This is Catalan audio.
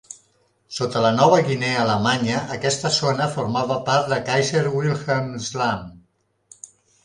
Sota la Nova Guinea Alemanya aquesta zona formava part de Kaiser-Wilhelmsland.